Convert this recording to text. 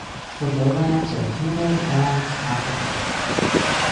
The lowlands are humid and tropical.